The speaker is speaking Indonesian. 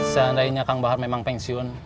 seandainya kang bahar memang pensiun